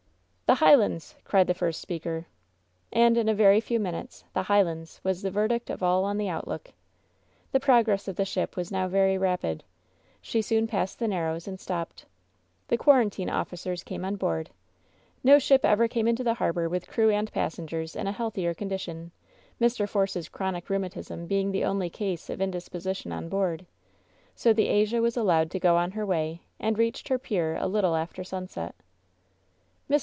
"The Highlands!^' cried the first speaker. And in a very few minutes "The Highlands!" was the verdict of all on the outlook. The progress of the ship was now very rapid. She soon passed the l^arrows, and stopped. The quarantine officers came on board. No ship ever came into the harbor with crew and passengers in a healthier condition, Mr. Force's chronic rheumatism being the only case of indisposition on board. So the Asia was allowed to go on her way, and reached her pier a little after sunset. Mr.